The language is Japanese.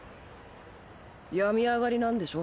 病み上がりなんでしょ？